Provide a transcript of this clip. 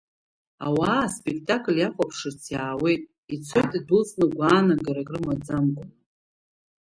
Ауаа аспектакль иахәаԥшырц иаауеит, ицоит идәылҵны гәаанагарак рымаӡамкәаны.